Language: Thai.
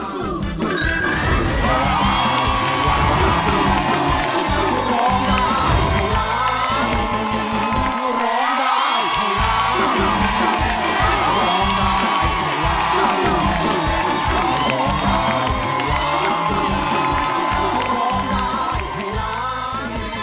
ร้องได้๑ล้านบาท